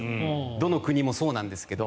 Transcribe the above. どの国もそうなんですけど。